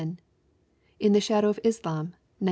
In the Shadow of Islam, 1911.